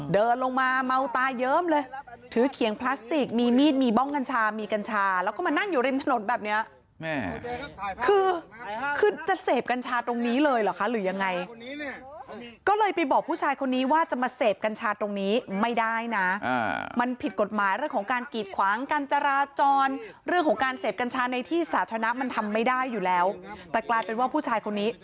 เดินลงมาเมาตาเยิ้มเลยถือเขียงพลาสติกมีมีดมีบ้องกัญชามีกัญชาแล้วก็มานั่งอยู่ริมถนนแบบเนี้ยแม่คือคือจะเสพกัญชาตรงนี้เลยเหรอคะหรือยังไงก็เลยไปบอกผู้ชายคนนี้ว่าจะมาเสพกัญชาตรงนี้ไม่ได้นะมันผิดกฎหมายเรื่องของการกีดขวางการจราจรเรื่องของการเสพกัญชาในที่สาธารณะมันทำไม่ได้อยู่แล้วแต่กลายเป็นว่าผู้ชายคนนี้